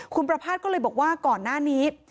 คุณประภาษณ์ก็เลยบอกว่าก่อนหน้านี้